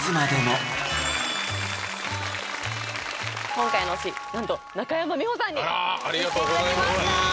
今回の推しなんと中山美穂さんに行っていただきました！